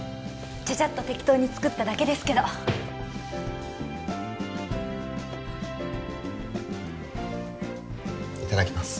ちゃちゃっと適当に作っただけですけどいただきます